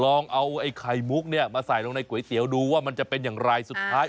ลองเอาไอ้ไข่มุกเนี่ยมาใส่ลงในก๋วยเตี๋ยวดูว่ามันจะเป็นอย่างไรสุดท้าย